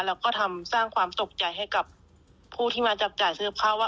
แล้วก็ทำสร้างความตกใจให้กับผู้ที่มาจับจ่ายซื้อข้าวว่า